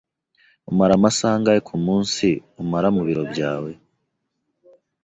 Umara amasaha angahe kumunsi umara mu biro byawe?